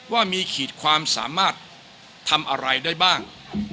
ว่ามีขีดความสามารถทำอะไรได้บ้าง